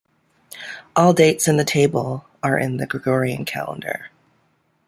All dates in the table are in the Gregorian calendar.